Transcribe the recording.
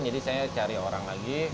jadi saya cari orang lagi